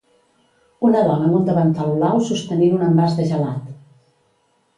Una dona amb un davantal blau sostenint un envàs de gelat